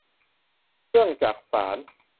เครื่องจักสาน